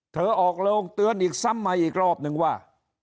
เธอออกโรงเตือนอีกซ้ำมาอีกรอบนึงว่า